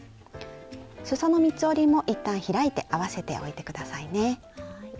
すその三つ折りも一旦開いて合わせておいて下さいね。